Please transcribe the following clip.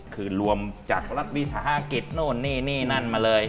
คือรวมจากรัฐวิทยาศาสตร์ฮาคิตนู่นนี่นั้นมาเลย